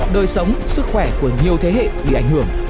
đời sống sức khỏe của nhiều thế hệ bị ảnh hưởng